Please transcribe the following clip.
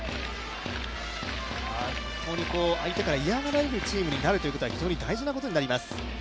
相手から嫌がられるチームになることは非常に大事なことになります。